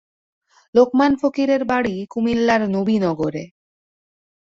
লোকমান ফকিরের বাড়ি কুমিল্লার নবীনগরে।